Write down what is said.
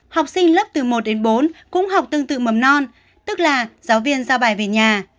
học sinh lớp từ một đến bốn cũng học tương tự mầm non tức là giáo viên giao bài về nhà